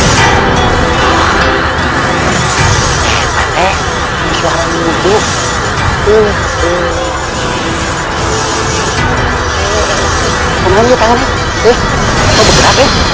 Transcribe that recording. sebenarnya kami tekniknya ongkir